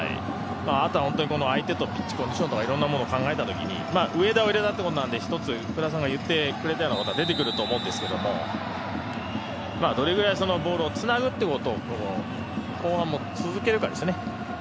あとは相手とかピッチンコンディションとか考えたとき上田を入れたということなんで福田さんが言ってくれたようなことが出てくると思うんですけどどれくらいボールをつなぐことを後半も続けるかですね。